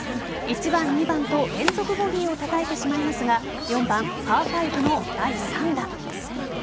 １番、２番と連続ボギーをたたいてしまいますが４番パー５の第３打。